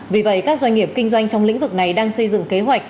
vì vậy các doanh nghiệp kinh doanh trong lĩnh vực này đang xây dựng kế hoạch